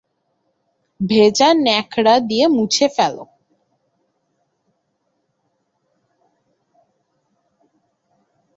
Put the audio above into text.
ভেজা ন্যাকড়া দিয়ে মুছে ফেলো।